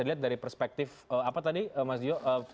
dilihat dari perspektif apa tadi mas dio